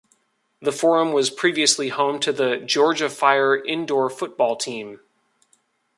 The Forum was previously home to the Georgia Fire indoor football team.